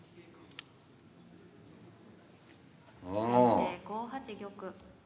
先手５八玉。